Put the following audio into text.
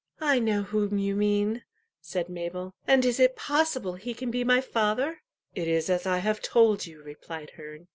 "I know whom you mean," said Mabel. "And is it possible he can be my father?" "It is as I have told you," replied Herne.